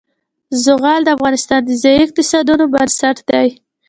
زغال د افغانستان د ځایي اقتصادونو بنسټ دی.